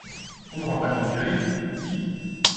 On n’aura pas le temps d’y aller ? Si !